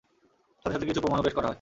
সাথে সাথে কিছু প্রমাণও পেশ করা হয়।